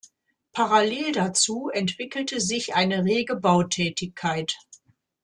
Parallel dazu entwickelte sich eine rege Bautätigkeit.